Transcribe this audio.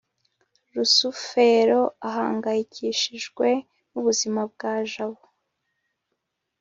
rusufero ahangayikishijwe n'ubuzima bwa jabo